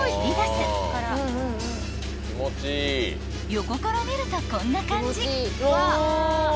［横から見るとこんな感じ］